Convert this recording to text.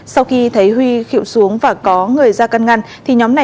sau khi thấy huy khịu xuống và có người ra cân ngăn